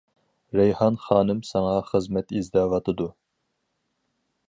- رەيھان خانىم ساڭا خىزمەت ئىزدەۋاتىدۇ.